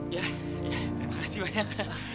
ya terima kasih banyak